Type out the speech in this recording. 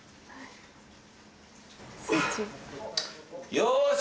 よし！